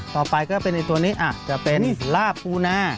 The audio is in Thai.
ต่อไปก็เป็นตัวนี้จะเป็นลาบปูนา